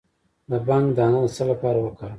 د بنګ دانه د څه لپاره وکاروم؟